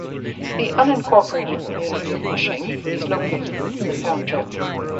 The unincorporated community of Cushing is located within the township.